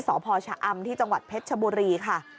สพชะอำที่จังหวัดเพชรชบุรีค่ะ